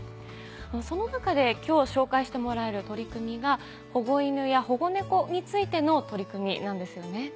その中で今日紹介してもらえる取り組みが保護犬や保護猫についての取り組みなんですよね。